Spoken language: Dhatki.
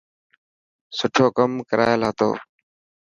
سٺو ڪم ڪرائل هتو.